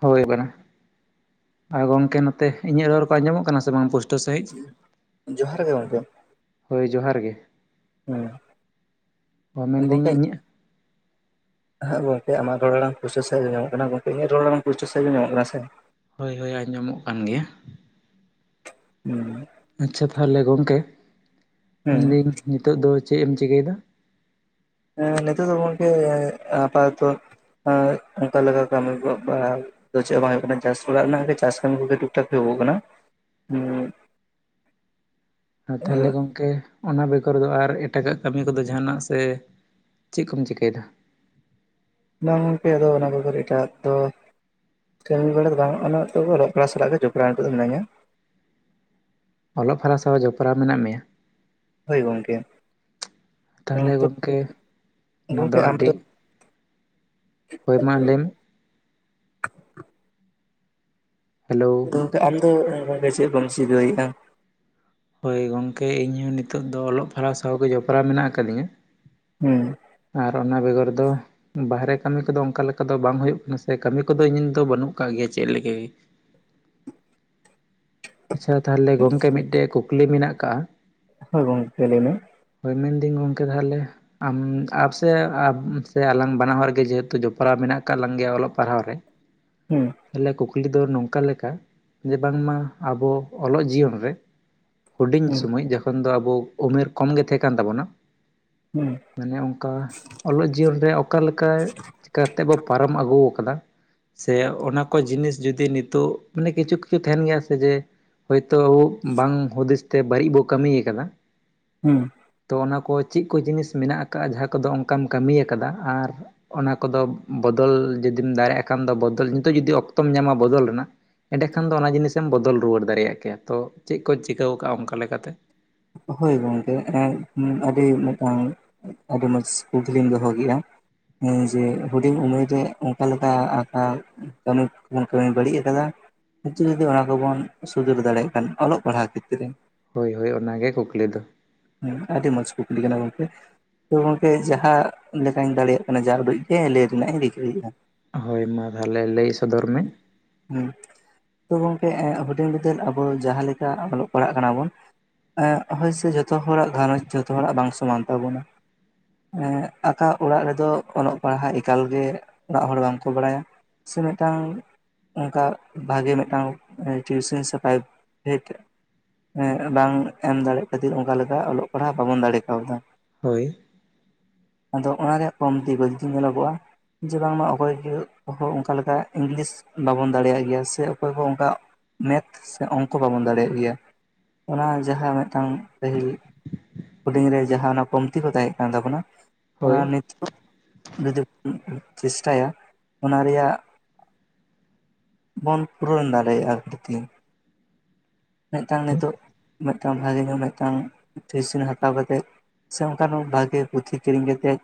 ᱦᱳᱭ ᱵᱟᱱᱟ, ᱟᱨ ᱜᱚᱳᱠᱮ ᱱᱚᱛᱮ ᱤᱧᱟᱹᱜ ᱨᱚᱲ ᱠᱚ ᱟᱸᱡᱚᱢᱚᱜ ᱠᱟᱱᱟ ᱥᱮ ᱵᱟᱝ ᱯᱳᱥ ᱦᱩᱸᱜ, ᱡᱚᱦᱟᱨ ᱜᱮ ᱜᱚᱝᱠᱮ ᱾ ᱦᱳᱭ, ᱡᱚᱦᱟᱨ ᱜᱮ ᱾ ᱚ ᱦᱮᱸ ᱢᱮᱱᱫᱟᱹᱧ ᱜᱚᱴᱮᱡ ᱾ ᱤᱧᱟᱹᱜ ᱦᱮᱸ ᱜᱚᱝᱠᱮ ᱟᱢᱟᱜ ᱨᱚᱲ ᱟᱲᱟᱝ ᱯᱩᱥᱴᱟᱹ ᱤᱡ ᱟᱢᱢᱚᱜ ᱠᱟᱱᱟ ᱜᱚᱝᱠᱮ ᱤᱧᱟᱹᱜ ᱨᱚᱲ ᱟᱲᱟᱝ ᱯᱩᱥᱴᱟᱹ ᱥᱟᱤᱡᱡ ᱧᱟᱢᱚᱜ ᱠᱟᱱᱟ ᱥᱮ ᱦᱳᱭ ᱦᱳᱭ, ᱟᱸᱡᱚᱢᱚᱜ ᱠᱟᱱ ᱜᱮᱭᱟ ᱾ ᱚᱺᱻ ᱟᱪ-ᱪᱷᱟ ᱛᱟᱦᱞᱮ ᱜᱚᱝᱠᱮ ᱦᱩᱸ ᱢᱮᱱᱫᱟᱹᱧ ᱱᱤᱛᱳᱜ ᱫᱚ ᱪᱮᱫ ᱮᱢ ᱪᱤᱠᱟᱹᱭᱮᱫᱟ? ᱮᱸ, ᱱᱤᱛᱚᱜ ᱫᱚ ᱜᱚᱝᱠᱮ ᱟᱯᱟᱛᱚᱛᱚ ᱚᱱᱠᱟ ᱞᱮᱠᱟ ᱠᱟᱹᱢᱤ ᱠᱚ ᱵᱟᱝᱦ ᱛᱚᱜ ᱪᱮᱫ ᱦᱚᱸ ᱵᱟᱝ ᱦᱳᱭᱯᱜ ᱠᱟᱱᱟ ᱪᱟᱥ ᱵᱟᱜᱟᱜ ᱨᱮᱱᱟᱜ ᱪᱟᱥ ᱠᱟᱹᱢᱤ ᱠᱚᱜᱮ ᱴᱩᱠ ᱴᱷᱟᱠ ᱛᱮ ᱮᱦᱚᱵᱚᱜ ᱠᱟᱱᱟ ᱾ ᱩᱸᱻᱜ ᱟᱨ ᱛᱟᱞᱦᱮ ᱜᱚᱝᱠᱮ? ᱚᱱᱟ ᱵᱮᱜᱚᱨ ᱫᱚ ᱟᱨ ᱮᱴᱟᱜᱟᱜ ᱠᱟᱹᱢᱤ ᱠᱚᱫᱚ ᱡᱟᱦᱟᱱᱟᱜ ᱥᱮ, ᱪᱮᱫ ᱠᱚᱢ ᱪᱤᱠᱟᱹᱭᱮᱫᱟ? ᱵᱟᱝ ᱜᱚᱢᱠᱮ ᱟᱫᱚ ᱚᱱᱟ ᱠᱚ ᱠᱟᱛᱮ ᱮᱴᱟ-ᱟᱜ ᱫᱚ ᱠᱟᱹᱢᱤ ᱵᱟᱲᱟ ᱫᱚ ᱵᱟᱝ ᱚᱱᱟ ᱟᱛᱳ ᱠᱚᱨᱮ ᱠᱞᱟᱵᱽ ᱥᱟᱞᱟᱜ ᱜᱮ ᱡᱚᱯᱲᱟᱣ ᱢᱤᱱᱟᱹᱧᱟ ᱾ ᱚᱞᱚᱜ ᱯᱟᱲᱦᱟᱣ ᱥᱟᱶ ᱡᱚᱯᱲᱟᱣ ᱢᱮᱱᱟᱜ ᱢᱮᱭᱟ? ᱦᱳᱭ ᱜᱚᱝᱠᱮ ᱾ ᱛᱟᱦᱚᱞᱮ ᱜᱚᱝᱠᱮ ᱚᱱᱟᱫᱚ ᱜᱚᱝᱠᱮ ᱟᱢ ᱟᱹᱰᱤ ᱫᱚ ᱦᱳᱭ, ᱢᱟ ᱞᱟᱹᱭᱢᱮ? [unintelligible] ᱰᱷᱮᱠ-ᱠᱚᱡ ᱾ ᱦᱮᱞᱳ ᱫᱟᱹᱞᱛᱮ ᱟᱢ ᱫᱚ ᱪᱮᱫ ᱜᱚᱢ ᱪᱤᱜᱟᱹᱮᱜᱼᱟ? ᱦᱳᱭ ᱜᱚᱝᱠᱮ ᱤᱧᱦᱚᱸ ᱱᱤᱛᱚᱜ ᱫᱚ ᱚᱞᱚᱜ ᱯᱟᱲᱦᱟᱣ ᱥᱟᱶᱜᱮ ᱡᱚᱯᱲᱟᱣ ᱢᱮᱱᱟᱜ ᱟᱠᱟᱫᱤᱧᱟᱹ ᱾ ᱦᱩᱺᱻ ᱟᱨ, ᱚᱱᱟ ᱵᱮᱜᱚᱨ ᱫᱚ? ᱵᱟᱦᱨᱮ ᱠᱟᱹᱢᱤ ᱠᱚᱫᱚ ᱚᱱᱠᱟ ᱞᱮᱠᱟ ᱫᱚ ᱵᱟᱝ ᱦᱳᱭᱳᱜ ᱠᱟᱱᱟ ᱥᱮ ᱠᱟᱹᱢᱤ ᱠᱚᱫᱚ ᱤᱧᱟᱹᱜ ᱫᱚ ᱵᱟᱹᱱᱩᱜ ᱟᱠᱟᱜ ᱜᱮᱭᱟ ᱪᱮᱫ ᱞᱟᱹᱜᱤᱜ ᱾ ᱟᱪ-ᱪᱷᱟ ᱛᱟᱦᱞᱮ ᱜᱚᱝᱠᱮ ᱢᱤᱫᱴᱮᱡ ᱠᱩᱠᱞᱤ ᱢᱮᱱᱟᱜ ᱟᱠᱟᱜᱼᱟ? ᱦᱳᱭ ᱜᱚᱝᱠᱮ ᱱᱤᱱᱟᱹᱜ ᱦᱳᱭ ᱢᱮᱱᱫᱟᱹᱧ, ᱜᱚᱳᱠᱮ ᱛᱟᱦᱞᱮ ᱟᱢ ᱟᱯ ᱥᱮ ᱟᱯ ᱥᱮ ᱟᱞᱟᱝ ᱵᱟᱱᱟ ᱦᱚᱲ ᱜᱮ ᱡᱮᱦᱮᱛᱩ ᱡᱚᱯᱲᱟᱣ ᱢᱮᱱᱟᱜ ᱟᱠᱟᱜ ᱞᱟᱝ ᱜᱮᱭᱟ ᱚᱞᱚᱜ ᱯᱟᱲᱦᱟᱣ ᱨᱮ ᱴᱷᱮᱸᱻᱭᱚᱸᱜ ᱾ ᱮᱸᱦ ᱾ ᱛᱟᱞᱦᱮ ᱠᱩᱠᱞᱤ ᱫᱚ ᱱᱚᱝᱠᱟ ᱞᱮᱠᱟ ᱡᱮ, ᱵᱟᱝᱢᱟ ᱟᱵᱚ ᱚᱞᱚᱜ ᱡᱤᱭᱚᱱ ᱨᱮ ᱦᱩᱰᱤᱧ ᱦᱩᱸ ᱥᱚᱢᱚᱭ ᱡᱚᱠᱷᱚᱱ ᱫᱚ ᱟᱵᱚ ᱩᱢᱮᱹᱨ ᱠᱚᱢ ᱜᱮ ᱛᱟᱦᱮᱸ ᱠᱟᱱ ᱛᱟᱵᱳᱱᱟ ᱦᱩᱺ ᱾ ᱢᱟᱱᱮ ᱚᱱᱠᱟ, ᱚᱞᱚᱜ ᱡᱤᱭᱚᱱ ᱨᱮ ᱚᱠᱟ ᱞᱮᱠᱟ ᱪᱮᱠᱟ ᱠᱟᱛᱮ ᱵᱚ ᱯᱟᱨᱚᱢ ᱟᱹᱜᱩ ᱟᱠᱟᱫᱟ ᱥᱮ ᱚᱱᱟ ᱠᱚ ᱡᱤᱱᱤᱥ ᱡᱩᱫᱤ ᱱᱤᱛᱳᱜ ᱢᱟᱱᱮ ᱠᱤᱪᱷᱩ ᱠᱤᱪᱷᱩ ᱛᱟᱦᱮᱱ ᱜᱮᱭᱟ ᱥᱮ? ᱡᱮ ᱦᱳᱭᱛᱳ ᱟᱵᱳ ᱵᱟᱝ ᱦᱩᱫᱤᱥ ᱛᱮ ᱵᱟᱹᱲᱤᱡ ᱵᱚ ᱠᱟᱹᱢᱤ ᱠᱟᱫᱟ ᱦᱩᱺ ᱾ ᱛᱚ, ᱚᱱᱟ ᱠᱚ ᱪᱮᱫ ᱠᱚ ᱡᱤᱱᱤᱥ ᱢᱮᱱᱟᱜ ᱟᱠᱟᱫᱼᱟ ᱡᱟᱦᱟᱸ ᱠᱚᱫᱚ ᱚᱱᱠᱟᱢ ᱠᱟᱹᱢᱤ ᱟᱠᱟᱫᱟ ᱟᱨ ᱚᱱᱟ ᱠᱚᱫᱚ ᱵᱚᱫᱚᱞ ᱡᱩᱫᱤᱢ ᱫᱟᱲᱮᱭᱟᱜ ᱠᱷᱟᱱ ᱫᱚ ᱵᱚᱫᱚᱞ, ᱱᱤᱛᱚᱜ ᱡᱩᱫᱤ ᱚᱠᱛᱚᱢ ᱧᱟᱢᱟ ᱵᱚᱫᱚᱞ ᱨᱮᱱᱟᱜ ᱮᱸᱰᱮ ᱠᱷᱟᱱ ᱫᱚ ᱚᱱᱟ ᱡᱤᱱᱤᱥᱮᱢ ᱵᱚᱫᱚᱞ ᱨᱩᱣᱟᱹᱲ ᱫᱟᱲᱮᱭᱟᱜ ᱠᱮᱭᱟ ᱛᱚ ᱪᱮᱫ ᱠᱚ ᱪᱤᱠᱟᱹᱣ ᱠᱟᱜᱼᱟ ᱚᱱᱠᱟ ᱞᱮᱠᱟᱛᱮ ᱾ ᱦᱳᱭ ᱜᱚᱝᱠᱮ, ᱦᱮᱸᱜ ᱟᱹᱰᱤ ᱢᱮᱫᱴᱟᱝ ᱟᱹᱰᱤ ᱢᱚᱸᱡᱽᱥ ᱠᱩᱠᱞᱤᱢ ᱫᱚᱦᱚ ᱠᱮᱜᱼᱟ ᱾ ᱦᱩᱸ ᱡᱮ ᱦᱩᱰᱤᱧ ᱩᱢᱮᱨ ᱨᱮ ᱚᱱᱠᱟ ᱞᱮᱠᱟ ᱟᱠᱟᱞ ᱠᱟᱹᱢᱤ, ᱠᱟᱹᱢᱤᱭ ᱵᱟᱹᱲᱤᱡ ᱠᱟᱫᱟ ᱾ ᱱᱤᱛᱩ ᱡᱩᱫᱤ ᱚᱱᱟ ᱠᱚᱵᱚᱱ ᱥᱩᱫᱟᱹᱨ ᱫᱟᱲᱮᱭᱟᱜ ᱠᱷᱟᱱ ᱚᱞᱚᱜ ᱯᱟᱲᱦᱟᱣ ᱠᱷᱮᱛᱨᱮᱼᱼ ᱦᱳᱭ ᱦᱳᱭ ᱚᱱᱟᱜᱮ ᱠᱩᱠᱞᱤ ᱫᱚ᱾ ᱦᱮᱸ ᱟᱹᱰᱤ ᱢᱚᱸᱡᱽ ᱠᱩᱠᱞᱤ ᱠᱟᱱᱟ ᱜᱚᱝᱠᱮ ᱛᱚ ᱜᱚᱝᱠᱮ ᱡᱟᱦᱟᱸ ᱞᱮᱠᱟᱧ ᱫᱟᱲᱮᱭᱟᱜ ᱠᱟᱱᱟ ᱡᱟ ᱩᱰᱟᱹᱡ ᱜᱮ ᱞᱟᱹᱭ ᱨᱮᱱᱟᱜ ᱤᱧ ᱨᱤᱠᱟᱹᱭᱮᱫᱟ ᱦᱳᱭ ᱢᱟ ᱛᱟᱦᱚᱞᱮ ᱞᱟᱹᱭ ᱥᱚᱫᱚᱨ ᱢᱮ? ᱦᱮᱸ ᱛᱚ ᱜᱚᱢᱠᱮ ᱦᱩᱰᱤᱧ ᱵᱤᱫᱟᱹᱞ ᱟᱵᱚ ᱡᱟᱦᱟᱸ ᱞᱮᱠᱟ ᱚᱞᱚᱜ ᱯᱟᱲᱦᱟᱜ ᱠᱟᱱᱟ ᱵᱚᱱ ᱦᱚᱭᱥᱮ ᱡᱚᱛᱚ ᱦᱚᱲᱟᱜ ᱜᱷᱟᱨᱚᱸᱡᱽ ᱡᱚᱛᱚ ᱦᱚᱲᱟᱜ ᱵᱟᱝ ᱥᱚᱢᱟᱱ ᱛᱟᱵᱚᱱᱟ᱾ ᱮ ᱟᱠᱟ ᱚᱲᱟᱜ ᱨᱮᱫᱚ ᱚᱞᱚᱜ ᱯᱟᱲᱦᱟᱜ ᱮᱠᱟᱞᱜᱮ ᱚᱲᱟᱜ ᱦᱚᱲ ᱵᱟᱝᱠᱚ ᱵᱟᱲᱟᱭᱟ᱾ ᱥᱮ ᱢᱤᱫᱴᱟᱝᱼᱼ ᱚᱱᱠᱟ ᱵᱷᱟᱜᱮ ᱢᱤᱫᱴᱟᱝ ᱴᱤᱭᱩᱥᱮᱱ ᱥᱮ ᱯᱨᱟᱭᱵᱷᱮᱴᱼᱼ ᱵᱟᱝ ᱮᱢ ᱫᱟᱲᱮᱜ ᱠᱷᱟᱹᱛᱤᱨ ᱚᱱᱠᱟ ᱞᱮᱠᱟ ᱚᱞᱚᱜ ᱯᱟᱲᱦᱟᱜ ᱵᱟᱵᱚᱱ ᱫᱟᱲᱮ ᱠᱟᱣᱫᱟ᱾ ᱦᱳᱭ ᱟᱫᱚ ᱚᱱᱟ ᱨᱮᱭᱟᱜ ᱠᱚᱢᱛᱤ ᱜᱟᱞᱛᱤ ᱧᱮᱞᱚᱜᱚᱜᱼᱟ᱾ ᱡᱮ ᱵᱟᱝᱢᱟ ᱚᱠᱚᱭ ᱜᱮ ᱦᱚᱸ ᱚᱱᱠᱟ ᱞᱮᱠᱟ ᱤᱝᱞᱤᱥ ᱵᱟᱵᱚᱱ ᱫᱟᱲᱮᱭᱟᱜ ᱜᱮᱭᱟ ᱥᱮ ᱚᱠᱚᱭ ᱦᱚᱸ ᱚᱱᱠᱟ᱾ ᱢᱮᱛ ᱥᱮ ᱚᱝᱠᱚ ᱵᱟᱵᱚᱱ ᱫᱟᱲᱮᱭᱟᱜ ᱜᱮᱭᱟ ᱚᱱᱟ ᱡᱟᱦᱟᱸ ᱢᱤᱫᱴᱟᱝᱼᱼ ᱯᱟᱹᱦᱤᱞ ᱦᱩᱰᱤᱧ ᱨᱮ ᱡᱟᱦᱟᱸ ᱠᱚᱢᱛᱤ ᱠᱚ ᱛᱟᱦᱮᱸ ᱠᱟᱱ ᱛᱟᱵᱚᱱᱟ ᱚᱱᱟ ᱦᱳᱭ ᱱᱤᱛᱚᱜᱼᱼ ᱡᱩᱫᱤ [inaudible] ᱪᱮᱥᱴᱟᱭᱟ ᱚᱱᱟ ᱨᱮᱭᱟᱜᱼᱼ ᱵᱚᱱ ᱯᱩᱨᱚᱱ ᱫᱟᱲᱮᱭᱟᱜᱼᱟ ᱠᱷᱟᱹᱲᱛᱤ᱾ ᱢᱤᱫᱴᱟᱝ ᱱᱤᱛᱚᱜ ᱢᱤᱫᱴᱟᱝ ᱵᱷᱟᱜᱮ ᱧᱚᱜᱟᱜᱼᱼ ᱢᱤᱫᱴᱟᱝ ᱴᱤᱭᱩᱥᱤᱱ ᱦᱟᱛᱟᱣ ᱠᱟᱛᱮᱫ ᱥᱮ ᱚᱱᱠᱟᱱ ᱵᱷᱟᱜᱮ ᱯᱩᱛᱷᱤ ᱠᱤᱨᱤᱧ ᱠᱟᱛᱮᱫᱼᱼ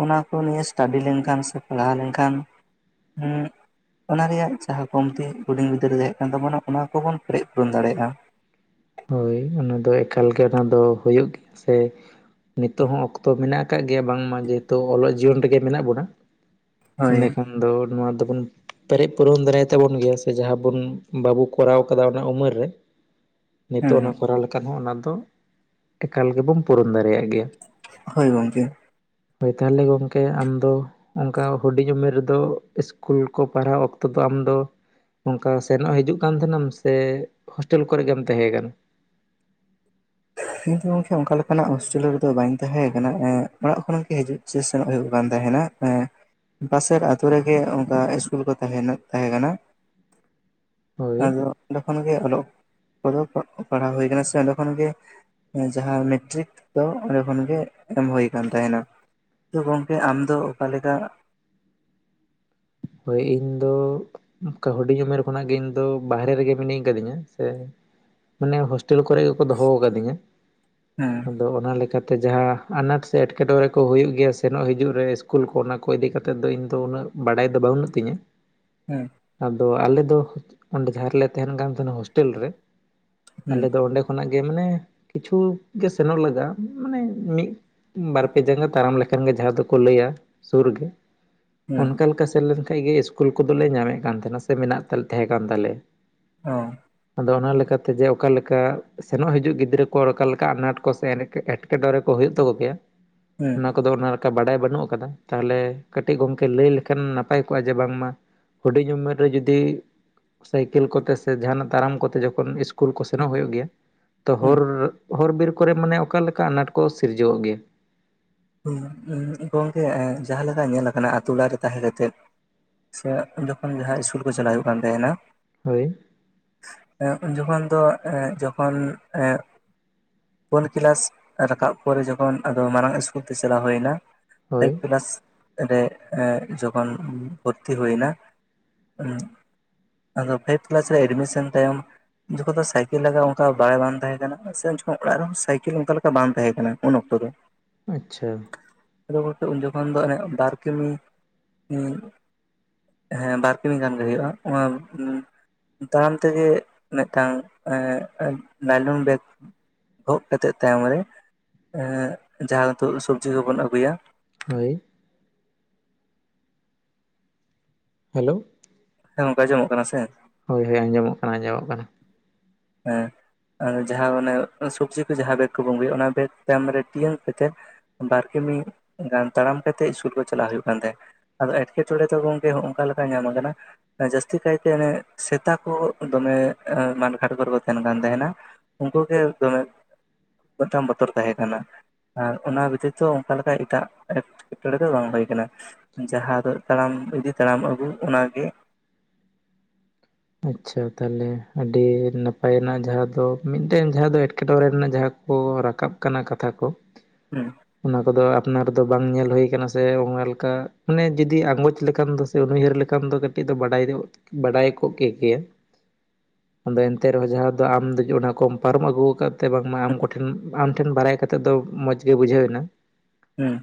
ᱚᱱᱟ ᱠᱚ ᱱᱤᱭᱮ ᱮᱥᱴᱟᱰᱤ ᱞᱮᱱᱠᱷᱟᱱ ᱥᱮ ᱯᱟᱲᱦᱟᱣ ᱞᱮᱱᱠᱷᱟᱱ ᱦᱮᱸᱼᱼ ᱚᱱᱟ ᱨᱮᱭᱟᱜ ᱡᱟᱦᱟᱸ ᱠᱚᱢᱛᱤ ᱦᱩᱰᱤᱧ ᱜᱤᱫᱽᱨᱟᱹ ᱨᱮ ᱛᱟᱦᱮ ᱠᱟᱱ ᱛᱟᱵᱚᱱᱟ ᱚᱱᱟ ᱠᱚᱵᱚᱱ ᱯᱮᱨᱮᱡ ᱯᱩᱨᱚᱱ ᱫᱟᱲᱮᱭᱟᱜᱼᱟ᱾ ᱦᱳᱭ ᱚᱱᱟᱫᱚ ᱮᱠᱟᱞ ᱜᱮ ᱚᱱᱟ ᱫᱚ ᱦᱩᱭᱩᱜ ᱜᱮᱭᱟ ᱥᱮ ᱱᱤᱛᱚᱜ ᱦᱚᱸ ᱚᱠᱛᱚ ᱢᱮᱱᱟᱜᱼᱟᱼᱼ ᱟᱠᱟᱫ ᱜᱮᱭᱟ ᱵᱟᱝᱢᱟ ᱡᱮᱦᱮᱛᱩ ᱚᱞᱚᱜ ᱡᱤᱭᱚᱱ ᱨᱮᱜᱮ ᱢᱮᱱᱟᱜ ᱵᱚᱱᱟ ᱦᱳᱭ ᱮᱸᱰᱮᱠᱷᱟᱱ ᱫᱚ ᱱᱚᱣᱟ ᱫᱚᱵᱚᱱᱼᱼ ᱯᱮᱨᱮᱡ ᱯᱩᱨᱚᱱ ᱫᱟᱲᱟᱭ ᱛᱟᱵᱚᱱ ᱜᱮᱭᱟ ᱥᱮ ᱡᱟᱦᱟᱸ ᱵᱚᱱ ᱵᱟᱵᱚ ᱠᱚᱨᱟᱣ ᱠᱟᱫᱟ ᱚᱱᱟ ᱩᱢᱮᱨ ᱨᱮᱼᱼ ᱦᱮᱸ ᱱᱤᱛᱚᱜ ᱚᱱᱟ ᱠᱚᱨᱟᱣ ᱞᱮᱠᱷᱟᱱ ᱦᱚᱸ ᱚᱱᱟ ᱫᱚ ᱮᱠᱟᱞ ᱜᱮᱵᱚᱱ ᱯᱩᱨᱩᱱ ᱫᱟᱲᱮᱭᱟᱜ ᱜᱮᱭᱟ᱾ ᱦᱳᱭ ᱜᱚᱝᱠᱮᱼᱼ ᱦᱳᱭ ᱛᱟᱦᱚᱞᱮ ᱜᱚᱢᱠᱮ ᱟᱢᱫᱚᱼᱼ ᱚᱱᱠᱟ ᱦᱩᱰᱤᱧ ᱩᱢᱮᱨ ᱨᱮᱫᱚ ᱥᱠᱩᱞ ᱠᱚ ᱯᱟᱲᱦᱟᱣ ᱚᱠᱛᱚ ᱫᱚ ᱟᱢᱫᱚᱼᱼ ᱱᱚᱝᱠᱟ ᱥᱮᱱᱚᱜ ᱦᱤᱡᱩᱜ ᱠᱟᱱ ᱛᱟᱦᱮᱱᱟᱢ ᱥᱮ ᱦᱳᱥᱴᱮᱞ ᱠᱚᱨᱮᱜᱮᱢ ᱛᱟᱦᱮᱸ ᱠᱟᱱᱟ? ᱤᱧ ᱫᱚ ᱜᱚᱝᱠᱮ ᱚᱱᱠᱟ ᱞᱮᱠᱟᱱᱟᱜ ᱦᱳᱥᱴᱮᱞ ᱨᱮᱫᱚ ᱵᱟᱹᱧ ᱛᱟᱦᱮᱸ ᱠᱟᱱᱟ ᱚᱲᱟᱜ ᱠᱷᱚᱱ ᱜᱮ ᱦᱤᱡᱩᱜ ᱥᱮᱱᱚᱜ ᱦᱩᱭᱩᱜ ᱠᱟᱱ ᱛᱟᱦᱮᱱᱟ᱾ ᱦᱮᱸ ᱯᱟᱥᱮᱨ ᱟᱛᱳ ᱨᱮᱜᱮ ᱚᱱᱠᱟ ᱤᱥᱠᱩᱞ ᱠᱚ ᱛᱟᱦᱮᱱ ᱛᱟᱦᱮᱸ ᱠᱟᱱᱟ᱾ ᱦᱳᱭ ᱟᱫᱚ ᱚᱸᱰᱮ ᱠᱷᱚᱱ ᱜᱮ ᱚᱞᱚᱜ ᱠᱚᱫᱚ ᱯᱟᱲᱦᱟᱣ ᱦᱩᱭ ᱟᱠᱟᱱᱟ ᱥᱮ ᱚᱸᱰᱮ ᱠᱷᱚᱱ ᱜᱮᱼᱼ ᱡᱟᱦᱟᱸ ᱢᱮᱴᱨᱤᱠ ᱫᱚ ᱚᱸᱰᱮ ᱠᱷᱚᱱ ᱜᱮ ᱮᱢ ᱦᱩᱭ ᱟᱠᱟᱱ ᱛᱟᱦᱮᱱᱟ᱾ ᱛᱚ ᱜᱚᱢᱠᱮ ᱟᱢᱫᱚ ᱚᱠᱟ ᱞᱮᱠᱟᱼᱼ ᱦᱳᱭ ᱤᱧ ᱫᱚ ᱦᱩᱰᱤᱧ ᱩᱢᱮᱨ ᱠᱷᱚᱱᱟᱜ ᱜᱮ ᱤᱧ ᱫᱚ ᱵᱟᱦᱨᱮ ᱨᱮᱜᱮ ᱢᱤᱱᱟᱹᱧ ᱠᱟᱹᱫᱤᱧᱟ ᱥᱮᱼᱼ ᱢᱟᱱᱮ ᱦᱳᱥᱴᱮᱞ ᱠᱚᱨᱮ ᱜᱮᱠᱚ ᱫᱚᱦᱚ ᱟᱠᱟᱫᱤᱧᱟ᱾ ᱦᱮᱸ ᱟᱫᱚ ᱚᱱᱟ ᱞᱮᱠᱟᱛᱮ ᱡᱟᱦᱟᱸ ᱟᱱᱟᱴ ᱥᱮ ᱮᱴᱠᱮᱴᱚᱬᱮ ᱠᱚ ᱦᱩᱭᱩᱜ ᱜᱮᱭᱟ ᱥᱮᱱᱚᱜ ᱦᱤᱡᱩᱜ ᱨᱮ ᱤᱥᱠᱩᱞ ᱠᱚ ᱚᱱᱟᱼᱼ ᱠᱚ ᱤᱫᱤ ᱠᱟᱛᱮᱫ ᱫᱚ ᱤᱧ ᱫᱚ ᱩᱱᱟᱹᱜ ᱵᱟᱰᱟᱭ ᱫᱚ ᱵᱟᱹᱱᱩᱜ ᱛᱤᱧᱟᱹ ᱦᱮᱸ ᱟᱫᱚ ᱟᱞᱮ ᱫᱚ ᱚᱸᱰᱮ ᱡᱟᱦᱟᱸ ᱨᱮᱞᱮ ᱛᱟᱦᱮᱱ ᱠᱟᱱ ᱛᱟᱦᱮᱱᱟ ᱦᱳᱥᱴᱮᱞ ᱨᱮ ᱦᱮᱸ ᱟᱞᱮ ᱫᱚ ᱚᱸᱰᱮᱼᱼ ᱠᱷᱚᱱᱟᱜ ᱜᱮ ᱢᱟᱱᱮ ᱠᱤᱪᱷᱩ ᱜᱮ ᱥᱮᱱᱚᱜ ᱞᱟᱜᱟᱜᱼᱟ ᱢᱟᱱᱮ ᱢᱤᱫᱼᱼ ᱵᱟᱨ ᱯᱮ ᱡᱟᱸᱜᱟ ᱛᱟᱲᱟᱢ ᱞᱮᱠᱷᱟᱱ ᱜᱮ ᱡᱟᱦᱟᱸ ᱫᱚᱠᱚ ᱞᱟᱹᱭᱟ ᱥᱩᱨ ᱜᱮ᱾ ᱦᱮᱸ ᱚᱱᱠᱟ ᱞᱮᱠᱟ ᱥᱮᱱ ᱞᱮᱱ ᱠᱷᱟᱡ ᱜᱮ ᱤᱥᱠᱩᱞ ᱠᱚᱫᱚ ᱞᱮ ᱧᱟᱢᱮᱫ ᱠᱟᱱ ᱛᱟᱦᱮᱱᱟ ᱥᱮ ᱢᱮᱱᱟᱜ ᱛᱮ ᱛᱮᱦᱮᱸ ᱠᱟᱱ ᱛᱟᱞᱮᱭᱟ᱾ ᱚ ᱫᱚ ᱚᱱᱟ ᱞᱮᱠᱟᱛᱮ ᱡᱮ ᱚᱠᱟ ᱞᱮᱠᱟ ᱥᱮᱱᱚᱜ ᱦᱤᱡᱩᱜ ᱜᱤᱫᱽᱨᱟᱹ ᱠᱚ ᱚᱠᱟ ᱞᱮᱠᱟ ᱟᱱᱟᱴ ᱠᱚ ᱥᱮ ᱮᱱ ᱮᱴᱠᱮᱰᱚᱨᱮ ᱠᱚ ᱦᱩᱭᱩᱜ ᱛᱟᱠᱚ ᱜᱮᱭᱟ ᱦᱮᱸ ᱚᱱᱟ ᱠᱚᱫᱚ ᱚᱱᱟ ᱞᱮᱠᱟ ᱵᱟᱰᱟᱭ ᱵᱟᱹᱱᱩᱜ ᱟᱠᱟᱫᱟ ᱛᱟᱦᱚᱞᱮ ᱠᱟᱹᱴᱤᱡ ᱜᱚᱝᱠᱮ ᱞᱟᱹᱭ ᱞᱮᱠᱷᱟᱱ ᱱᱟᱯᱟᱭ ᱯᱟᱭ ᱠᱚᱜ-ᱟ ᱡᱮ ᱵᱟᱝᱢᱟ ᱦᱩᱰᱤᱧ ᱩᱢᱮᱨ ᱨᱮ ᱡᱩᱫᱤ ᱥᱟᱭᱠᱮᱞ ᱠᱚᱛᱮ ᱥᱮ ᱡᱟᱦᱟᱱᱟᱜ ᱛᱟᱨᱟᱢ ᱠᱚᱛᱮ ᱡᱚᱠᱷᱚᱱ ᱤᱥ ᱠᱩᱞ ᱠᱚ ᱥᱮᱱᱚᱜ ᱦᱳᱭᱳᱜ ᱜᱮᱭᱟ ᱛᱚ ᱦᱮᱸ ᱦᱚᱨ ᱦᱚᱨ ᱵᱤᱨ ᱠᱚᱨᱮ ᱢᱟᱱᱮᱜ ᱚᱠᱟ ᱞᱮᱠᱟ ᱟᱱᱟᱴ ᱠᱚ ᱥᱤᱨᱡᱟᱹᱣᱚᱜ ᱜᱮᱭᱟ? ᱜᱚᱝᱠᱮ ᱡᱟᱦᱟᱸ ᱞᱮᱠᱟ ᱧᱮᱞ ᱟᱠᱟᱱᱟ ᱟᱹᱛᱩ ᱚᱲᱟᱜᱨᱮ ᱛᱟᱦᱮᱸ ᱠᱟᱛᱮᱫ ᱥᱮ ᱡᱚᱠᱷᱚᱱ ᱡᱟᱦᱟᱸ ᱤᱥᱠᱩᱞ ᱠᱚ ᱪᱟᱞᱟᱜ ᱦᱩᱭᱩᱜ ᱠᱟᱱ ᱛᱟᱦᱮᱱᱟ ᱦᱳᱭ ᱮ ᱩᱱ ᱡᱚᱠᱷᱚᱱ ᱫᱚ ᱮ ᱡᱚᱠᱷᱚᱱ ᱮᱜ ᱯᱳᱱ ᱠᱮᱞᱟᱥ ᱨᱟᱠᱟᱵ ᱯᱚᱨᱮ ᱡᱚᱠᱷᱚᱱ ᱟᱫᱚ ᱢᱟᱨᱟᱝ ᱤᱥ ᱠᱩᱞ ᱛᱮ ᱪᱟᱞᱟᱣ ᱦᱳᱭᱱᱟ ᱦᱳᱭ ᱯᱷᱟᱭᱤᱵ ᱯᱞᱟᱥ ᱨᱮ ᱡᱚᱠᱷᱚᱱ ᱵᱷᱚᱨᱛᱤ ᱦᱩᱭᱱᱟ ᱟᱫᱚ ᱯᱷᱟᱭᱤᱯ ᱠᱮᱞᱟᱥ ᱨᱮ ᱮᱰᱢᱤᱥᱮᱱ ᱛᱟᱭᱚᱢ ᱡᱚᱠᱷᱚ ᱫᱚ ᱥᱟᱭᱠᱮᱞ ᱞᱟᱜᱟ ᱚᱝᱠᱟ ᱵᱟᱲᱟᱭ ᱵᱟᱝ ᱛᱟᱦᱮᱸ ᱠᱟᱱᱟ ᱥᱮ ᱡᱚᱠᱷᱚᱱ ᱚᱲᱟᱜ ᱨᱮᱦᱚᱸ ᱥᱟᱭᱠᱮᱞ ᱚᱝᱠᱟ ᱞᱮᱠᱟ ᱵᱟᱝ ᱛᱟᱦᱮᱸ ᱠᱟᱱᱟ ᱩᱱ ᱚᱠᱛᱚ ᱨᱮ᱾ ᱟᱪᱪᱷᱟ ᱟᱫᱚ ᱜᱚᱠᱮ ᱩᱱ ᱡᱚᱠᱷᱚᱱ ᱫᱚ ᱚᱱᱮ ᱵᱟᱨ ᱠᱤᱢᱤ ᱦᱮᱸ ᱵᱟᱨ ᱠᱤᱢᱤ ᱜᱟᱱ ᱦᱩᱭᱩᱜ-ᱟ, ᱚᱱᱟ ᱛᱟᱲᱟᱢ ᱛᱮᱜᱮ ᱢᱮᱫᱛᱟᱝ ᱞᱟᱞᱚᱱ ᱵᱮᱜᱽ ᱜᱚᱜ ᱠᱟᱛᱮᱫ ᱛᱟᱭᱚᱢ ᱨᱮ ᱡᱟᱦᱟᱸ ᱦᱤᱛᱚᱜ ᱥᱚᱵᱡᱤ ᱠᱚᱵᱚᱱ ᱟᱹᱜᱩᱭᱟ ᱦᱳᱭ ᱦᱮᱞᱳ ᱦᱮᱸ ᱜᱚᱝᱠᱮ ᱟᱧᱡᱚᱢᱚᱜ ᱠᱟᱱᱟ ᱥᱮ? ᱦᱳᱭ ᱦᱳᱭ ᱟᱸᱡᱚᱢᱚᱜ ᱠᱟᱱᱟ ᱟᱸᱡᱚᱢᱚᱜ ᱠᱟᱱᱟ᱾ ᱦᱮᱸ ᱡᱟᱦᱟᱸ ᱚᱱᱮ ᱥᱚᱵᱡᱤ ᱠᱚ ᱡᱟᱦᱟᱸ ᱵᱮᱜᱽ ᱠᱚ ᱵᱸᱜᱩᱭᱟ ᱚᱱᱟ ᱵᱮᱜᱽ ᱛᱟᱭᱚᱢ ᱨᱮ ᱴᱤᱭᱟᱹᱝ ᱠᱟᱛᱮ ᱵᱟᱨ ᱠᱤᱢᱤ ᱜᱟᱱ ᱛᱟᱲᱟᱢ ᱠᱟᱛᱮᱜ ᱤᱥᱠᱩᱞ ᱠᱚ ᱪᱟᱞᱟᱜ ᱦᱩᱭᱩᱜ ᱠᱟᱱ ᱛᱟᱦᱮᱸᱫ᱾ ᱟᱫᱚ ᱮᱴᱠᱮᱴᱚᱬᱮ ᱫᱚ ᱜᱚᱝᱠᱮ ᱦᱚᱱᱠᱟ ᱞᱮᱠᱟ ᱧᱟᱢ ᱟᱠᱟᱱᱟ ᱡᱟᱹᱥᱛᱤ ᱠᱟᱭᱛᱮ ᱚᱱᱮ ᱥᱮᱛᱟ ᱠᱚ ᱫᱚᱢᱮ ᱢᱟᱱᱮ ᱠᱷᱟᱴᱠᱨᱮ ᱠᱚ ᱛᱟᱦᱮᱱ ᱠᱟᱱ ᱛᱟᱦᱮᱱᱟ ᱩᱱᱠᱩ ᱜᱮ ᱫᱚᱢᱮ ᱯᱚᱛᱷᱚᱢ ᱵᱚᱛᱚᱨ ᱛᱟᱦᱮᱸ ᱠᱟᱱᱟ᱾ ᱟᱨ ᱚᱱᱟ ᱵᱮᱛᱤᱛᱚ ᱚᱝᱠᱟ ᱞᱮᱠᱟ ᱮᱴᱟᱜ ᱮᱸᱴᱠᱮᱴᱚᱬᱮ ᱫᱚ ᱵᱟᱝ ᱦᱩᱭ ᱠᱟᱱᱟ᱾ ᱡᱟᱦᱟᱸ ᱫᱚ ᱛᱟᱲᱟᱢ ᱤᱫᱤ ᱛᱟᱲᱟᱢ ᱟᱹᱜᱩ ᱚᱱᱟ ᱜᱮ ᱟᱪᱷᱟ ᱛᱟᱦᱞᱮ ᱟᱹᱰᱤ ᱱᱟᱯᱟᱭᱱᱟᱜ ᱡᱟᱦᱟᱸ ᱫᱚ ᱢᱤᱫᱴᱮᱱ ᱡᱟᱦᱟᱸ ᱫᱚ ᱮᱴᱠᱮᱴᱬᱮ ᱨᱮᱱᱟᱜ ᱡᱟᱦᱟᱸ ᱠᱚ ᱨᱟᱠᱟᱵ ᱠᱟᱱᱟ ᱠᱟᱛᱷᱟ ᱠᱚ ᱩᱸ ᱚᱱᱟ ᱠᱚᱫᱚ ᱟᱯᱱᱟᱨ ᱫᱚ ᱵᱟᱝ ᱧᱮᱞ ᱦᱩᱭ ᱠᱟᱱᱟ ᱥᱮ ᱚᱱᱠᱟ ᱞᱮᱠᱟ ᱢᱟᱱᱮ ᱡᱩᱫᱤ ᱟᱸᱜᱚᱪ ᱞᱮᱠᱟᱢ ᱫᱳᱥ ᱛᱩᱨᱩ ᱭᱟᱹᱨ ᱞᱮᱠᱷᱟᱱ ᱫᱚ ᱠᱟᱹᱴᱤᱡ ᱫᱚ ᱵᱟᱰᱟᱭ ᱫᱚ ᱵᱟᱰᱟᱭ ᱠ ᱠᱚᱜ ᱠᱮᱜᱮᱭᱟ ᱟᱫᱚ ᱮᱱᱛᱮ ᱨᱮᱦᱚᱸ ᱡᱟᱦᱟᱸ ᱫᱚ ᱟᱢ ᱫᱚ ᱚᱱᱟ ᱠᱚᱢ ᱯᱟᱨᱚᱢ ᱟᱹᱜᱩᱣ ᱠᱟᱫ ᱛᱮ ᱵᱟᱝᱢᱟ ᱟᱢ ᱠᱚᱴᱷᱮᱱ ᱟᱢ ᱴᱷᱮᱱ ᱵᱟᱨᱟᱭ ᱠᱟᱛᱮᱫ ᱫᱚ ᱢᱚᱸᱡᱽ ᱜᱮ ᱵᱩᱡᱷᱟᱹᱣ ᱮᱱᱟ᱾ ᱦᱩᱸ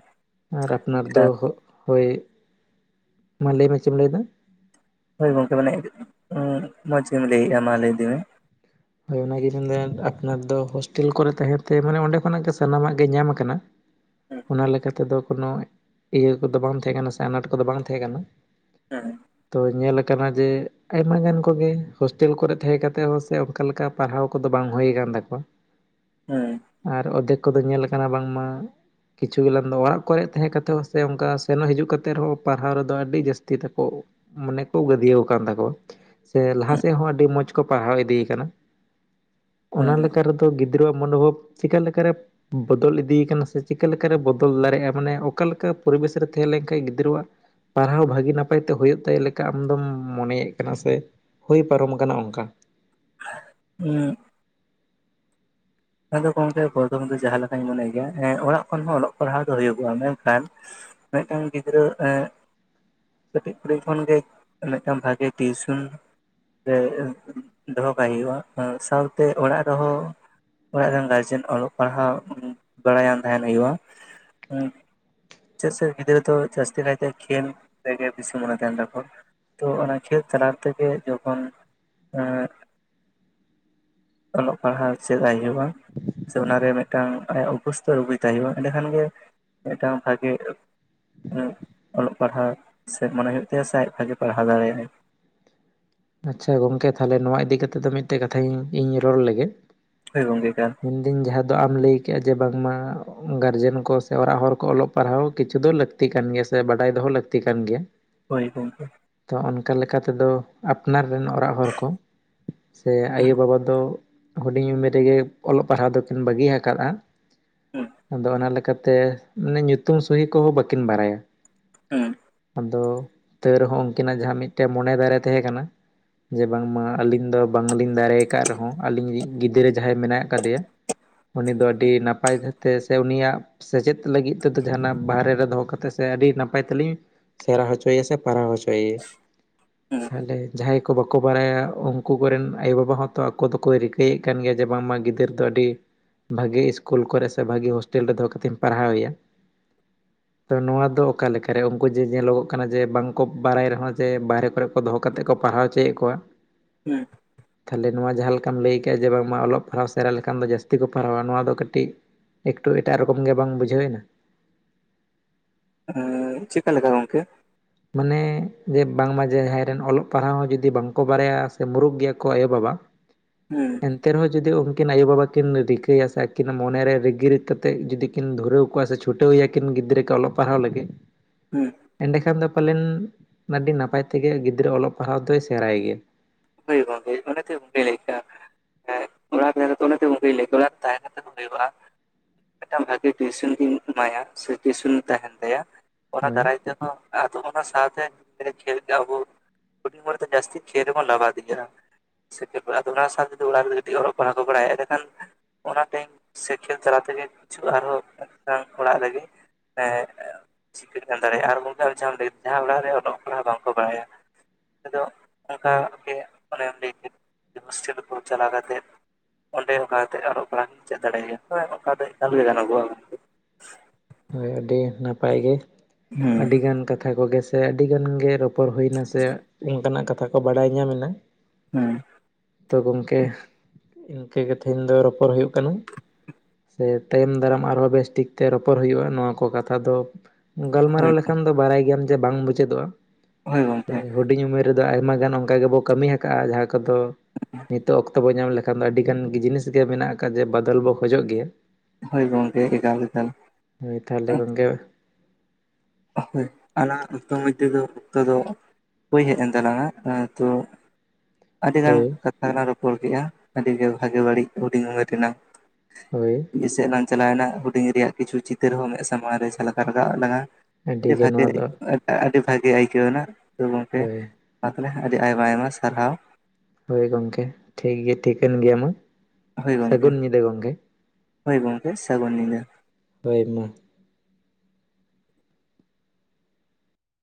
ᱟᱨ ᱟᱯᱱᱟᱨ ᱫᱚ ᱦᱚᱜ ᱦᱳᱭ ᱢᱟ ᱞᱟᱹᱭ ᱢᱮ ᱪᱮᱢ ᱞᱟᱹᱭᱫᱟ? ᱦᱳᱭ ᱜᱚᱝᱠᱮ ᱢᱟᱱᱮ ᱢᱚᱸᱡᱽ ᱮᱢ ᱞᱟᱹᱭᱮᱜ-ᱟ ᱢᱟ ᱞᱟᱹᱭ ᱤᱫᱤ ᱢᱮ᱾ ᱦᱳᱭ ᱚᱱᱟᱜᱤᱞᱤᱧ ᱞᱟᱹᱭᱮᱫ ᱟᱯᱱᱟᱨ ᱫᱚ ᱦᱳᱥᱴᱮᱞ ᱠᱚᱨᱮ ᱛᱮᱦᱮᱸ ᱛᱮ ᱢᱟᱱᱮ ᱚᱸᱰᱮ ᱠᱷᱚᱱᱟᱜ ᱜᱮ ᱥᱟᱱᱟᱢᱟᱜ ᱜᱮ ᱧᱟᱢ ᱠᱟᱱᱟ᱾ ᱦᱩᱸ ᱚᱱᱟ ᱞᱮᱠᱟ ᱛᱮᱫᱚ ᱠᱳᱱᱳ ᱤᱭᱟᱹ ᱠᱚᱫᱚ ᱵᱟᱝ ᱛᱟᱦᱮᱸ ᱠᱟᱱᱟ ᱥᱮ ᱟᱱᱟᱴ ᱠᱚᱫᱚ ᱵᱟᱝ ᱛᱟᱦᱮᱸ ᱠᱟᱱᱟ᱾ ᱦᱮ ᱛᱚ ᱧᱮᱞ ᱠᱟᱱᱟ ᱡᱮ ᱟᱭᱢᱟ ᱜᱟᱱ ᱠᱚᱜᱮ ᱦᱳᱥᱴᱮᱞ ᱠᱚᱨᱮ ᱛᱟᱦᱮᱸ ᱠᱟᱛᱮ ᱦᱚᱸ ᱥᱮ ᱚᱱᱠᱟ ᱞᱮᱠᱟ ᱯᱟᱲᱦᱟᱣ ᱠᱚᱫᱚ ᱵᱟᱝ ᱦᱩᱭ ᱠᱟᱱ ᱛᱟᱠᱚᱣᱟ ᱦᱩᱸ ᱟᱨ ᱚᱨᱫᱷᱮᱠ ᱠᱚᱫᱚ ᱧᱮᱞ ᱠᱟᱱᱟ ᱵᱟᱝ ᱢᱟ ᱠᱤᱪᱷᱩ ᱜᱮᱞᱟᱝ ᱫᱚ ᱚᱲᱟᱜ ᱠᱚᱨᱮ ᱛᱟᱦᱮᱸ ᱠᱟᱛᱮ ᱦᱚᱸ ᱥᱮ ᱚᱱᱠᱟ ᱥᱮᱱᱚᱜ ᱦᱤᱡᱩᱜ ᱠᱟᱛᱮ ᱨᱮᱦᱚᱸ ᱯᱟᱲᱦᱟᱣ ᱨᱮᱫᱚ ᱟᱹᱰᱤ ᱡᱟᱹᱥᱛᱤ ᱛᱮᱠᱚ ᱢᱚᱱᱮ ᱠᱚ ᱜᱟᱹᱫ ᱟᱹᱣ ᱟᱠᱟᱱ ᱛᱟᱠᱚᱣᱟ ᱥᱮ ᱞᱟᱦᱟ ᱦᱮᱸ ᱥᱮᱫ ᱦᱚᱸ ᱟᱹᱰᱤ ᱢᱚᱸᱡᱽ ᱠᱚ ᱯᱟᱲᱦᱟᱣ ᱤᱫᱤ ᱠᱟᱱᱟ᱾ ᱚᱱᱟ ᱦᱮᱸ ᱞᱮᱠᱟ ᱨᱮᱫᱚ ᱜᱤᱫᱽᱨᱟᱹ ᱟᱜ ᱢᱚᱱᱚ ᱵᱷᱚᱵ ᱪᱮᱠᱟ ᱞᱮᱠᱟᱨᱮ ᱵᱚᱫᱚᱞ ᱤᱫᱤ ᱠᱟᱱᱟ ᱥᱮ ᱪᱤᱠᱟᱹ ᱞᱮᱠᱟ ᱨᱮ ᱵᱚᱫᱚᱞ ᱫᱟᱲᱮ ᱟᱜ-ᱟ ᱢᱟᱱᱮ ᱚᱠᱟ ᱞᱮᱠᱟ ᱯᱚᱨᱤᱵᱮᱥ ᱨᱮ ᱛᱟᱦᱮᱸ ᱞᱮᱠᱷᱟ ᱜᱤᱫᱽᱨᱟᱹ ᱟᱜ ᱯᱟᱲᱦᱟᱣ ᱵᱷᱟᱹᱜᱤ ᱱᱟᱯᱟᱭ ᱛᱮ ᱦᱩᱭᱩᱜ ᱛᱟᱭ ᱞᱮᱠᱟ ᱟᱢ ᱫᱚᱢ ᱢᱚᱱᱮ ᱮᱫ ᱠᱟᱱᱟ ᱥᱮ ᱦᱩᱭ ᱯᱟᱨᱚᱢ ᱠᱟᱱᱟ ᱚᱱᱠᱟ ᱦᱩᱸ ᱟᱫᱚ ᱜᱚᱝᱠᱮ ᱯᱨᱚᱛᱷᱚᱢ ᱫᱚ ᱡᱟᱦᱟᱸ ᱞᱮᱠᱟᱧ ᱢᱚᱱᱮᱭ ᱜᱮᱭᱟ ᱮ ᱚᱲᱟᱜ ᱠᱷᱚᱱ ᱦᱚᱸ ᱚᱞᱚᱜ ᱯᱟᱲᱦᱟᱣ ᱫᱚ ᱦᱩᱭᱩᱜ ᱚᱜ-ᱟ ᱢᱮᱱᱠᱷᱟᱱ ᱢᱤᱫ ᱴᱟᱝ ᱜᱤᱫᱽᱨᱟᱹ ᱮᱸ ᱠᱟᱹᱴᱤᱡ ᱠᱩᱲᱤ ᱦᱚᱯᱚᱱ ᱜᱮ ᱢᱤᱫ ᱴᱟᱝ ᱵᱷᱟᱜᱤ ᱴᱤᱭᱩᱥᱚᱱ ᱨᱮ ᱫᱚᱦᱚ ᱠᱟᱭ ᱦᱩᱭᱩᱜ-ᱟ ᱥᱟᱶᱛᱮ ᱚᱲᱟᱜ ᱨᱮᱦᱚᱸ ᱚᱲᱟᱜ ᱨᱮᱱ ᱜᱟᱨᱡᱮᱱ ᱚᱞᱚᱜ ᱯᱟᱲᱦᱟᱣ ᱵᱟᱲᱟᱭ ᱟᱱ ᱛᱟᱦᱮᱸᱱ ᱦᱩᱭᱩᱜ-ᱟ᱾ ᱪᱮᱫᱟᱜ ᱥᱮ ᱜᱤᱫᱽᱨᱟᱹ ᱫᱚ ᱡᱟᱹᱥᱛᱤ ᱠᱟᱭ ᱛᱮ ᱠᱷᱮᱞ ᱨᱮᱜᱮ ᱵᱮᱥᱤ ᱢᱚᱱᱮ ᱛᱟᱦᱮᱱ ᱛᱟᱠᱚᱣᱟ ᱛᱚ ᱚᱱᱟ ᱠᱷᱮᱞ ᱛᱟᱞᱟ ᱛᱮᱜᱮ ᱡᱚᱠᱷᱚᱱ ᱮ ᱚᱞᱚᱜ ᱯᱟᱲᱦᱟᱣ ᱪᱮᱫ ᱟᱭ ᱦᱩᱭᱩᱜ-ᱟ᱾ ᱥᱮ ᱚᱱᱟᱨᱮ ᱢᱤᱫᱴᱟᱝ ᱟᱭᱟᱜ ᱚᱵᱚᱥᱛᱚ ᱟᱜᱩᱭ ᱛᱟᱭ ᱦᱩᱭᱩᱜ-ᱟ ᱮᱸᱰᱮ ᱠᱷᱟᱱ ᱜᱮ ᱢᱤᱫ ᱴᱟᱝ ᱵᱷᱟᱜᱮ ᱚᱞᱚᱜ ᱯᱟᱲᱦᱟᱣ ᱥᱮᱫ ᱢᱚᱱᱮ ᱦᱩᱭᱩᱜ ᱛᱟᱭᱟ ᱥᱮ ᱟᱡ ᱵᱷᱟᱜᱮ ᱯᱟᱲᱦᱟᱣ ᱫᱟᱲᱮ ᱟᱜ-ᱟᱭ ᱟᱪᱪᱷᱟ ᱜᱚᱝᱠᱮ ᱛᱟᱦᱚᱞᱮ ᱱᱚᱣᱟ ᱤᱫᱤ ᱠᱟᱛᱮ ᱫᱚ ᱢᱤᱫ ᱴᱮᱡ ᱠᱟᱛᱷᱟᱧ ᱤᱧ ᱨᱚᱲ ᱞᱮᱜᱮ ᱦᱳᱭ ᱜᱚᱝᱠᱮ ᱮᱠᱟᱞ ᱢᱮᱱ ᱫᱟᱹᱧ ᱡᱟᱦᱟᱸ ᱫᱚ ᱟᱢ ᱞᱟᱹᱭ ᱠᱮᱫ-ᱟ ᱡᱮ ᱵᱟᱝ ᱢᱟ ᱜᱟᱨᱡᱮᱱ ᱠᱚ ᱥᱮ ᱚᱲᱟᱜ ᱦᱚᱲ ᱠᱚ ᱚᱞᱚᱜ ᱯᱟᱲᱦᱟᱣ ᱠᱤᱪᱷᱩ ᱫᱚ ᱞᱟᱹᱠᱛᱤ ᱠᱟᱱ ᱜᱮᱭᱟ ᱥᱮ ᱵᱟᱰᱟᱭ ᱫᱚᱦᱚ ᱞᱟᱹᱠᱛᱤ ᱠᱟᱱ ᱜᱮᱭᱟ᱾ ᱦᱳᱭ ᱜᱚᱝᱠᱮ ᱛᱚ ᱚᱱᱠᱟ ᱞᱮᱠᱟ ᱛᱮᱫᱚ ᱟᱯᱱᱟᱨ ᱨᱮᱱ ᱚᱲᱟᱜ ᱦᱚᱲ ᱠᱚ ᱥᱮ ᱦᱩᱸ ᱟᱭᱳᱼᱵᱟᱵᱟ ᱛᱚ ᱦᱩᱰᱤᱧ ᱩᱢᱮᱨ ᱨᱮᱜᱮ ᱚᱞᱚᱜ ᱯᱟᱲᱦᱟᱣ ᱫᱚᱠᱤᱱ ᱵᱟᱹᱜᱤ ᱟᱠᱟᱫ-ᱟ ᱦᱩᱸ ᱟᱫᱚ ᱚᱱᱟ ᱞᱮᱠᱟᱛᱮ ᱢᱟᱱᱮ ᱧᱩᱛᱩᱢ ᱥᱩᱦᱤ ᱠᱚᱦᱚᱸ ᱵᱟᱹᱠᱤᱱ ᱵᱟᱲᱟᱭᱟ ᱦᱩᱸ ᱟᱫᱚ ᱛᱟᱹᱣ ᱨᱮᱦᱚᱸ ᱩᱱ ᱠᱤᱱᱟᱜ ᱡᱟᱦᱟᱸ ᱢᱤᱫ ᱴᱮᱱ ᱢᱚᱱᱮ ᱫᱟᱨᱮ ᱛᱟᱦᱮᱸ ᱠᱟᱱᱟ ᱡᱮ ᱵᱟᱝᱢᱟ ᱟᱹᱞᱤᱧ ᱫᱚ ᱵᱟᱝᱞᱤᱧ ᱫᱟᱲᱮ ᱠᱟᱫ ᱨᱮᱦᱚᱸ ᱟᱞᱤᱧ ᱨᱤᱡ ᱜᱤᱫᱽᱨᱟᱹ ᱡᱟᱦᱟᱸᱭ ᱢᱮᱱᱟᱜ ᱠᱟᱫᱮᱭᱟ ᱩᱱᱤ ᱫᱚ ᱟᱹᱰᱤ ᱱᱟᱯᱟᱭ ᱛᱮ ᱥᱮ ᱩᱱᱤ ᱟᱜ ᱥᱮᱪᱮᱫ ᱞᱟᱹᱜᱤᱫ ᱛᱮᱫᱚ ᱡᱟᱦᱟ ᱱᱟᱜ ᱵᱟᱦᱨᱮ ᱨᱮ ᱫᱚᱦᱚ ᱠᱟᱛᱮ ᱠᱟᱛᱮ ᱥᱮ ᱟᱹᱰᱤ ᱱᱟᱯᱟᱭ ᱛᱮᱞᱤᱧ ᱥᱮᱬᱟ ᱦᱚᱪᱚᱭᱮᱭᱟ ᱥᱮ ᱯᱟᱲᱟᱣ ᱦᱚᱪᱚᱭᱮᱭᱟ ᱛᱟᱦᱚᱞᱮ ᱡᱟᱦᱟᱸᱟᱭ ᱵᱟᱠᱚ ᱵᱟᱲᱟᱭᱟ ᱩᱱᱠᱩ ᱠᱚ ᱨᱮᱱ ᱟᱭᱳ ᱵᱟᱵᱟ ᱦᱚᱸᱛᱚ ᱟᱠᱚ ᱫᱚᱠᱚ ᱨᱤᱠᱟᱹ ᱮᱫ ᱠᱟᱱ ᱜᱮᱭᱟ ᱡᱮ ᱵᱟᱝᱢᱟ ᱜᱤᱫᱟᱹᱨ ᱫᱚ ᱟᱹᱰᱤ ᱵᱷᱟᱜᱮ ᱤᱥᱠᱩᱞ ᱠᱚᱨᱮ ᱥᱮ ᱵᱷᱟᱜᱤ ᱦᱳᱥᱴᱮᱞ ᱨᱮ ᱫᱚᱦᱚ ᱠᱟᱛᱮᱧ ᱯᱟᱲᱦᱟᱣ ᱮᱭᱟ᱾ ᱛᱚ ᱱᱚᱣᱟ ᱫᱚ ᱚᱠᱟ ᱞᱮᱠᱟ ᱨᱮ ᱩᱱᱠᱩ ᱡᱮ ᱧᱮᱞᱚ ᱜᱚᱜ ᱠᱟᱱᱟ ᱡᱮ ᱵᱟᱝ ᱠᱚ ᱵᱟᱲᱟᱭ ᱨᱮᱦᱚᱸ ᱡᱮ ᱵᱟᱦᱨᱮ ᱠᱚᱨᱮ ᱫᱚᱦᱚ ᱠᱟᱛᱮ ᱠᱚ ᱯᱟᱲᱦᱟᱣ ᱚᱪᱚᱭ ᱮᱫ ᱠᱚᱣᱟ ᱦᱩᱸ ᱛᱟᱦᱚᱞᱮ ᱱᱚᱣᱟ ᱡᱟᱦᱟᱸ ᱞᱮᱠᱟᱢ ᱞᱟᱹᱭ ᱠᱮᱜ-ᱟ ᱡᱮ ᱵᱟᱝ ᱢᱟ ᱚᱞᱚᱜ ᱯᱟᱲᱦᱟᱣ ᱥᱮᱬᱟ ᱞᱮᱠᱷᱟᱱ ᱫᱚ ᱡᱟᱹᱥᱛᱤ ᱠᱚ ᱯᱟᱲᱦᱟᱣᱟ ᱱᱚᱣᱟ ᱫᱚ ᱠᱟᱹᱴᱤᱡ, ᱮᱠᱴᱩ ᱮᱴᱟᱜ ᱨᱚᱠᱚᱢ ᱜᱮ ᱵᱟᱝ ᱵᱩᱡᱷᱟᱹᱣ ᱮᱱᱟ ᱦᱮ ᱪᱮᱫ ᱠᱟ ᱞᱮᱠᱟ ᱜᱚᱝᱠᱮ ᱢᱟᱱᱮ ᱡᱮ ᱵᱟᱝ ᱢᱟ ᱡᱮ ᱡᱟᱦᱟᱸᱭ ᱨᱮᱱ ᱚᱞᱚᱜ ᱯᱟᱲᱦᱟᱣ ᱦᱚᱸ ᱡᱩᱫᱤ ᱵᱟᱝ ᱠᱚ ᱵᱟᱲᱟᱭᱟ ᱥᱮ ᱢᱩᱨᱩᱠ ᱜᱮᱭᱟ ᱠᱚ ᱟᱭᱳᱼᱵᱟᱵᱟ [inaudible] ᱦᱩᱸ᱾ ᱮᱱᱛᱮ ᱨᱮᱦᱚᱸ ᱡᱩᱫᱤ ᱩᱱ ᱠᱤᱱ ᱟᱭᱳᱼᱵᱟᱵᱟ ᱠᱤᱱ ᱨᱤᱠᱟᱹᱭᱟ ᱥᱮ ᱟᱹᱠᱤᱱᱟ ᱢᱚᱱᱮ ᱨᱮ ᱨᱤᱜᱤᱨ ᱠᱟᱛᱮ ᱡᱩᱫᱤ ᱠᱤᱱ ᱫᱷᱩᱨᱟᱹᱣ ᱠᱚᱣᱟ ᱥᱮ ᱪᱷᱩᱴᱟᱹᱣ ᱮᱭᱟ ᱠᱤᱱ ᱜᱤᱫᱽᱨᱟᱹ ᱠᱚ ᱚᱞᱚᱜ ᱯᱟᱲᱦᱟᱣ ᱞᱟᱹᱜᱤᱫ, ᱦᱩᱸ᱾ ᱮᱸᱰᱮᱠᱷᱟᱱ ᱫᱚ ᱯᱟᱞᱮᱱ ᱟᱹᱰᱤ ᱱᱟᱯᱟᱭ ᱛᱮᱜᱮ ᱜᱤᱫᱽᱨᱟᱹ ᱚᱞᱚᱜ ᱯᱟᱲᱦᱟᱣ ᱫᱚᱭ ᱥᱮᱬᱟᱭ ᱜᱮᱭᱟ᱾ ᱦᱳᱭᱳᱜᱼᱟ ᱦᱳᱭᱳᱜᱼᱟ ᱚᱱᱚᱛᱮ ᱜᱚᱝᱠᱮ ᱞᱟᱹᱭ ᱠᱟᱜᱼᱟ, ᱦᱮᱸ ᱚᱱᱟᱛᱮᱜᱮ ᱚᱱᱮᱛᱚ ᱜᱚᱝᱠᱮ ᱞᱟᱹᱭ ᱛᱷᱚᱲᱟ ᱛᱟᱭᱱᱚᱢ ᱠᱟᱛᱮ ᱦᱩᱭᱩᱜᱼᱟ᱾ ᱢᱤᱫᱴᱟᱝ ᱵᱷᱟᱜᱤ ᱴᱤᱭᱩᱥᱚᱱ ᱠᱤᱱ ᱮᱢᱟᱭᱟ ᱥᱮ ᱴᱤᱭᱩᱥᱚᱱ ᱛᱟᱦᱮᱸᱱ ᱛᱟᱭᱟ᱾ ᱚᱱᱟ ᱦᱳᱭ ᱫᱟᱨᱟᱭ ᱛᱮ ᱟᱫᱚ ᱚᱱᱟ ᱥᱟᱶᱛᱮ ᱟᱵᱚ ᱠᱷᱮᱞ ᱠᱮᱜ ᱟᱵᱚ ᱦᱩᱰᱤᱧ ᱢᱚᱱᱮᱛᱮ ᱡᱟᱹᱥᱛᱤ ᱠᱷᱮᱞ ᱞᱮᱵᱚᱱ ᱞᱟᱵᱟᱫ ᱛᱤᱜ ᱜᱮᱭᱟ ᱥᱮᱛᱟᱜ ᱵᱟᱲᱟ ᱫᱚ ᱚᱱᱟ ᱥᱟᱶ ᱡᱩᱫᱤ ᱚᱲᱟᱜ ᱨᱮ ᱜᱤᱛᱤᱪ ᱜᱚᱲᱚᱜ ᱠᱟᱱᱟ ᱠᱚ ᱵᱟᱲᱟᱭᱟ ᱮᱸᱰᱮᱠᱷᱟᱱ ᱚᱱᱟ ᱴᱟᱭᱤᱢ ᱥᱮ ᱠᱷᱮᱞ ᱪᱟᱞᱟ ᱛᱮᱜᱮ ᱠᱤᱪᱷᱩ ᱟᱨᱦᱚᱸ ᱢᱤᱫ ᱚᱲᱟᱜ ᱨᱮᱜᱮ ᱮᱸᱜ ᱥᱤᱠᱟᱹᱜ ᱠᱟᱱ ᱫᱟᱲᱮᱭᱟᱜᱼᱟ ᱟᱨ ᱜᱚᱢᱠᱮ ᱟᱢ ᱡᱟᱦᱟᱸᱢ ᱡᱟᱦᱟᱸ ᱚᱲᱟᱜ ᱨᱮ ᱚᱞᱚᱜ ᱯᱟᱲᱦᱟᱜ ᱵᱟᱝᱠᱚ ᱵᱟᱲᱟᱭᱟ ᱟᱫᱚ ᱚᱝᱠᱟᱜᱮ ᱚᱱᱮᱢ ᱞᱟᱹᱭ ᱠᱮᱫ ᱦᱳᱥᱴᱮᱞ ᱠᱚ ᱪᱟᱞᱟᱣ ᱠᱟᱛᱮᱫ ᱚᱸᱰᱮ ᱚᱱᱠᱟ ᱠᱟᱛᱮ ᱚᱞᱚᱜ ᱯᱟᱲᱦᱟᱜ ᱮᱢ ᱪᱮᱫ ᱫᱟᱲᱮᱟᱭᱟ, ᱦᱳᱭ ᱚᱱᱠᱟ ᱫᱚ ᱮᱠᱟᱟᱹᱞ ᱜᱮ ᱜᱟᱱᱚᱜᱼᱟ᱾ ᱦᱳᱭ ᱟᱹᱰᱤ ᱱᱟᱯᱟᱭ ᱜᱮ ᱦᱩᱸ ᱟᱹᱰᱤ ᱜᱟᱱ ᱠᱟᱛᱷᱟ ᱠᱚᱜᱮ ᱥᱮ ᱟᱹᱰᱤ ᱜᱟᱱ ᱜᱮ ᱨᱚ ᱯᱚᱲ ᱦᱩᱭᱱᱟ ᱥᱮ ᱚᱝᱠᱟᱱᱟᱜ ᱠᱟᱛᱷᱟ ᱠᱚ ᱵᱟᱰᱟᱭ ᱧᱟᱢᱮ ᱱᱟ, ᱦᱩᱸ ᱛᱚ ᱜᱚᱢᱠᱮ ᱤᱝᱠᱟᱹ ᱜᱮ ᱛᱟᱦᱮᱧ ᱫᱚ ᱨᱚᱯᱚᱲ ᱦᱩᱭᱩᱜ ᱠᱟᱱᱟ, ᱥᱮ ᱛᱟᱭᱚᱢ ᱫᱟᱨᱟᱢ ᱟᱨᱦᱚᱸ ᱵᱮᱥᱴᱷᱤᱠ ᱛᱮ ᱨᱚ ᱯᱚᱨ ᱦᱩᱭᱩᱜᱼᱟ ᱱᱚᱣᱟ ᱠᱚ ᱠᱟᱛᱷᱟ ᱫᱚ ᱦᱳᱭ ᱜᱟᱞᱢᱟᱨᱟᱣ ᱞᱮᱠᱷᱟᱱ ᱫᱚ ᱵᱟᱲᱟᱭ ᱜᱮᱭᱟᱢ ᱡᱮ ᱵᱟᱝ ᱢᱩᱩᱪᱟᱹᱫᱚᱜᱼᱟ᱾ ᱦᱳᱭ ᱥᱮ ᱜᱚᱝᱠᱮ ᱦᱩᱰᱤᱧ ᱩᱢᱮᱨ ᱨᱮᱫᱚ ᱟᱭᱢᱟ ᱜᱟᱱ ᱚᱝᱠᱟ ᱜᱮᱵᱚ ᱠᱟᱹᱢᱤ ᱟᱠᱟᱜᱼᱟ ᱡᱟᱦᱟᱸ ᱠᱚᱫᱚ ᱱᱤᱛᱚᱜ ᱚᱠᱛᱚ ᱵᱚ ᱧᱟᱢ ᱞᱮᱠᱷᱟᱱ ᱫᱚ ᱟᱹᱰᱤ ᱜᱟᱱ ᱜᱤ ᱡᱤᱱᱤᱥ ᱜᱮ ᱢᱮᱱᱟᱜ ᱟᱠᱟᱫ ᱡᱮ ᱵᱟᱚᱫᱚᱞ ᱵᱚ ᱠᱷᱚᱡᱚᱜ ᱜᱮᱭᱟ᱾ ᱦᱳᱭ ᱜᱚᱝᱠᱮ ᱮᱠᱟᱞ ᱮᱠᱟᱞ᱾ ᱦᱳᱭ ᱛᱟᱦᱚᱞᱮ ᱜᱚᱝᱠᱮ ᱦᱳᱭ ᱟᱞᱟᱝ ᱚᱠᱛᱚ ᱢᱚᱡᱫᱷᱮ ᱫᱚ ᱚᱠᱛᱚ ᱫᱚ ᱵᱳᱭ ᱦᱮᱡ ᱮᱱ ᱛᱟᱞᱟᱝᱟ ᱛᱚ ᱟᱹᱰᱤ ᱜᱟᱱ ᱦᱳᱭ ᱠᱟ ᱛᱷᱟ ᱞᱟᱝ ᱨᱚᱯᱚᱲ ᱠᱮᱜᱼᱟ ᱟᱹᱰᱤᱜᱮ ᱵᱷᱟᱜᱮ ᱵᱟᱹᱲᱤᱡ ᱦᱩᱰᱤᱧ ᱩᱢᱮᱨᱱᱟᱝ ᱦᱳᱭ᱾ ᱢᱤᱫ ᱥᱮᱫ ᱞᱟᱝ ᱪᱟᱞᱟᱣᱱᱟ ᱦᱩᱰᱤᱧ ᱨᱮᱭᱟᱜ ᱠᱤᱪᱷᱩ ᱪᱤᱛᱟᱹᱨ ᱦᱚᱸ ᱢᱮᱫ ᱥᱟᱢᱟᱝ ᱨᱮ ᱡᱷᱟᱞ ᱠᱟᱣᱜ ᱨᱟᱠᱟᱵᱟᱜ ᱞᱟᱝᱼᱟ᱾ ᱟᱹᱰᱤ ᱟᱹᱰᱤᱜᱮ ᱵᱷᱟᱜᱮ ᱱᱚᱣᱟ ᱫᱚ ᱟᱹᱰᱤ ᱵᱷᱟᱜᱮ ᱟᱹᱭᱠᱟᱹᱣ ᱟᱫᱚ ᱜᱚᱢᱠᱮ ᱦᱳᱭ ᱢᱟ ᱛᱟᱦᱚᱞᱮ ᱟᱹᱰᱤ ᱟᱭᱢᱟ ᱟᱭᱢᱟ ᱥᱟᱨᱦᱟᱣ᱾ ᱦᱳᱭ ᱜᱚᱢᱠᱮ ᱴᱷᱤᱠ ᱜᱮᱭᱟ ᱴᱷᱤᱠᱟᱹᱱ ᱜᱮᱭᱟ ᱢᱟ᱾ ᱦᱳᱭ ᱜᱚᱢᱠᱮ ᱥᱟᱹᱜᱩᱱ ᱧᱤᱫᱟᱹ ᱜᱚᱝᱠᱮ ᱦᱳᱭ ᱜᱚᱢᱠᱮ ᱥᱟᱹᱜᱩᱱ ᱧᱤᱫᱟᱹ᱾ ᱦᱳᱭ ᱢᱟ